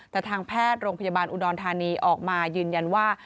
แต่ทางแพทย์โรงพยาบาลอุดรธานีออกมายืนยันว่า